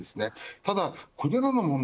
ただこれらの問題